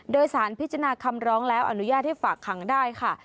โดยสารพิจารณาคำร้องแล้วอนุญาตให้ฝากขังได้ค่ะ